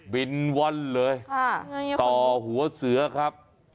บินว่อนเลยต่อหัวเสือครับ